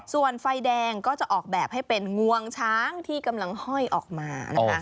ส่วนไฟแดงก็จะออกแบบให้เป็นงวงช้างที่กำลังห้อยออกมานะคะ